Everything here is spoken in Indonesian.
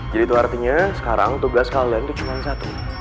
jadi itu artinya sekarang tugas kalian itu cuma satu